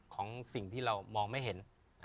ของสิ่งที่เรามองไม่เห็น